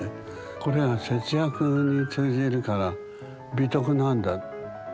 これが節約に通じるから美徳なんだと。